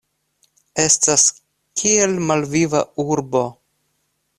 Estas kiel malviva urbo.